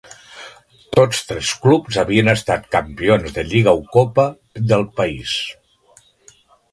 Tots tres clubs havien estat campions de lliga o copa del país.